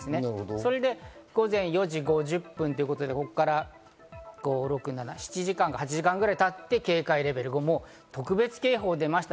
それが午前４時５０分ということで、そこから８時間ぐらいたって警戒レベル５、特別警報が出ました。